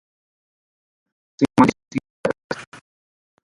Sin embargo, llaman a la policía y todos son arrestados.